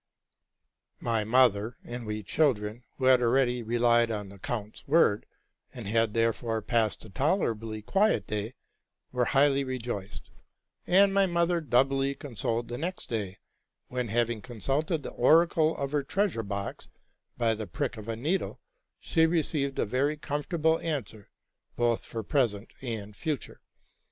My mother and we children, who had already relied on the count's word, and had therefore passed a tolerably quiet day, were highly rejoiced; and my mother doubly consoled the next day, when, having consulted the oracle of her treasure box, by the prick of a needle, she received a very comfortable answer, both for present and future.